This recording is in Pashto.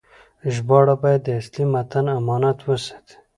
ژباړه باید د اصلي متن امانت وساتي.